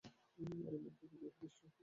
আর ইমাম তিরমিযীও হাদীসটি হুবহু বর্ণনা করেছেন।